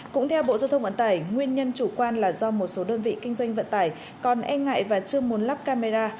cũng theo bộ giao thông vận tải nguyên nhân chủ quan là do một số đơn vị kinh doanh vận tải còn e ngại và chưa muốn lắp camera